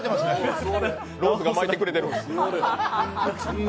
ローズが巻いてくれてる。